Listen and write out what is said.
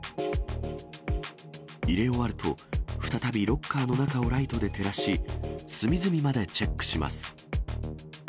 入れ終わると、再びロッカーの中をライトで照らし、隅々までチェックします。